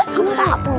kamu tak hapus